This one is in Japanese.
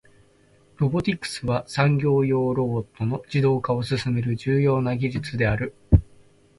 ロボティクスは、産業用ロボットの自動化を進める重要な技術である。